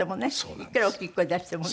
いくら大きい声出してもね。